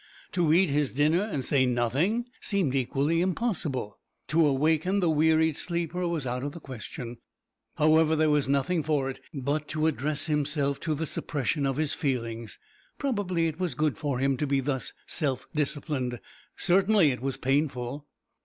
To eat his dinner and say nothing seemed equally impossible. To awaken the wearied sleeper was out of the question. However, there was nothing for it but to address himself to the suppression of his feelings. Probably it was good for him to be thus self disciplined; certainly it was painful.